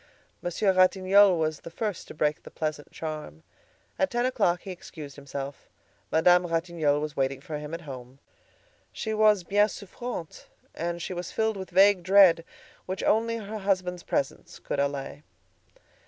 Monsieur Ratignolle was the first to break the pleasant charm. At ten o'clock he excused himself. Madame Ratignolle was waiting for him at home. She was bien souffrante, and she was filled with vague dread, which only her husband's presence could allay.